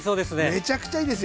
めちゃくちゃいいですよ。